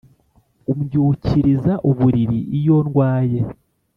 Umbyukiriza uburiri iyondwaye